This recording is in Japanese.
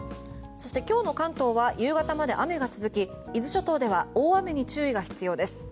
そして今日の関東は夕方まで雨が続き伊豆諸島では大雨に注意が必要です。